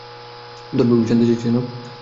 তোর বেবি জানতে চাইছে না?